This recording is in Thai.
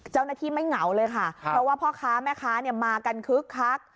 เจ้าหน้าที่ไม่เหงาเลยค่ะเพราะว่าพ่อค้าแม่ค้ามากันคึกคัก